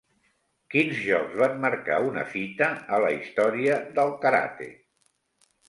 Quins jocs van marcar una fita a la història del karate?